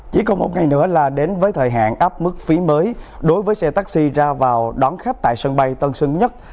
chỉ còn một ngày nữa là đến với thời hạn áp mức phí mới đối với xe taxi ra vào đón khách tại sân bay tân sơn nhất